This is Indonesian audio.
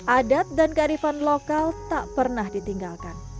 adat dan kearifan lokal tak pernah ditinggalkan